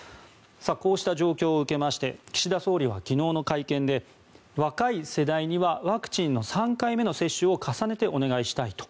こうした状況を受けまして岸田総理は昨日の会見で若い世代にはワクチンの３回目の接種を重ねてお願いしたいと。